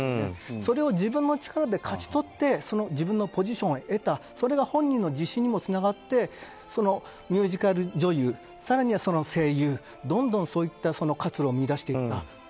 それを自分の力で勝ち取って自分のポジションを得たそれが本人の自信にもつながって、ミュージカル女優更には声優、どんどんそういった活路を見いだしていった。